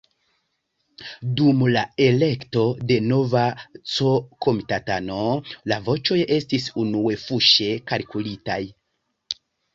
Dum la elekto de nova C-komitatano la voĉoj estis unue fuŝe kalkulitaj.